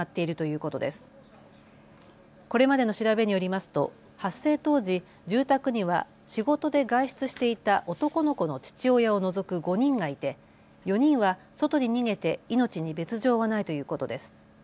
これまでの調べによりますと発生当時、住宅には仕事で外出していた男の子の父親を除く５人がいて４人は外に逃げて命に別状はないということです。